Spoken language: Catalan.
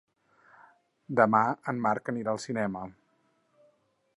Demà en Marc anirà al cinema.